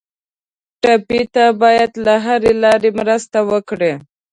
ټپي ته باید له هرې لارې مرسته وکړو.